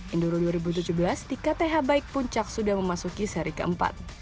indoro dua ribu tujuh belas di kth baik puncak sudah memasuki seri keempat